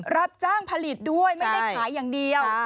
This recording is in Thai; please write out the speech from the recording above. รับจ้างผลิตด้วยไม่ได้ขายอย่างเดียว